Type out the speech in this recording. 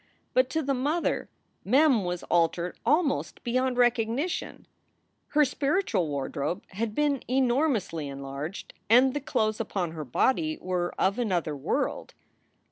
But to the mother Mem was altered almost beyond recognition. Her spiritual wardrobe had been enormously enlarged and the clothes upon her body were of another world.